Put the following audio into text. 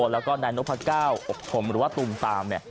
แล้วก็นายนพก้าวอบชมหรือว่าตูมตาม